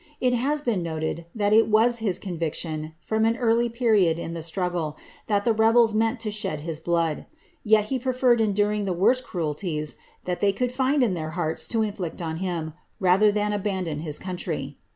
It hai been noted that it was his conviction, from an early period in the strag gle, that the rebels meant to shed his blood ; yet he preferred enduriflf the worst cruelties that they could find in their hearts to inflict on himi lather than abandon his country.